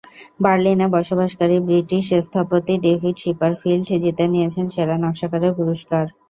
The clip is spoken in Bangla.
বার্লিনে বসবাসকারী ব্রিটিশ স্থপতি ডেভিড শিপারফিল্ড জিতে নিয়েছেন সেরা নকশাকারের পুরস্কার।